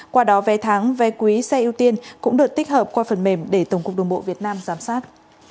qua đó vé tháng vé quý xe ưu tiên cũng được tích hợp qua phần mềm để tổng cục đường bộ việt nam giám sát